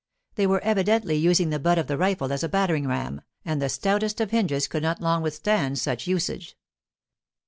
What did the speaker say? They were evidently using the butt of the rifle as a battering ram, and the stoutest of hinges could not long withstand such usage.